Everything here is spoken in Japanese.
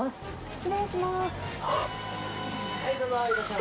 失礼します。